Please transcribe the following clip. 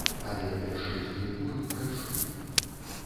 Але першы ўздым буры прайшоў.